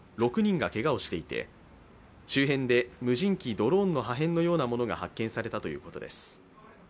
６人がけがをしていて、周辺で無人機、ドローンの破片のようなものが発見されたということです。